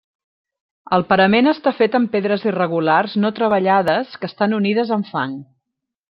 El parament està fet amb pedres irregulars no treballades que estan unides amb fang.